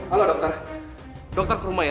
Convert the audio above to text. aku cuma pengen tahu aja